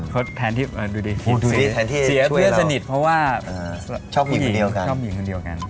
เพราะแทนที่เสียเพื่อนสนิทเพราะว่าชอบหญิงคนเดียวกัน